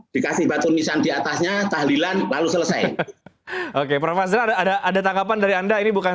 dikasih batu nisan diatasnya tahlilan lalu selesai oke prof azra ada ada tanggapan dari anda ini bukan